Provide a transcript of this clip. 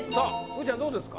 ーちゃんどうですか？